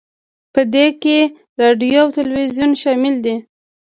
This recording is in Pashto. په دې کې راډیو او تلویزیون شامل دي